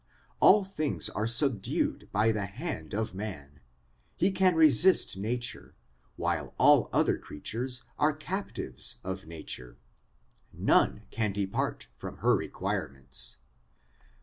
All things are subdued by the hand of man ; he can resist nature, while all other creatures are captives of nature, none can depart from her requirements.